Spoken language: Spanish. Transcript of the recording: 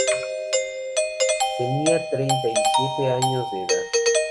Tenía treinta y siete años de edad.